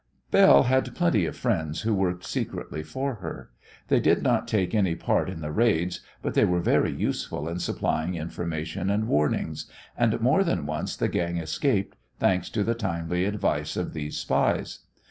Belle had plenty of friends who worked secretly for her. They did not take any part in the raids, but they were very useful in supplying information and warnings, and more than once the gang escaped, thanks to the timely advice of these spies.